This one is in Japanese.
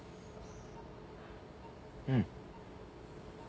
うん。